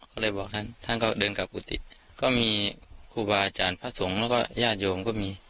ก็เลยบอกท่านก็เดินกลับกุฏิคุบาอาจารย์พระสงฆ์แล้วย่าโยมก็มี